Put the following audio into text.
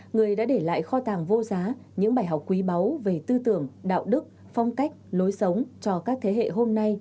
người đã để lại kho tàng vô giá những bài học quý báu về tư tưởng đạo đức phong cách lối sống cho các thế hệ hôm nay